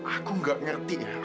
aku gak ngerti ya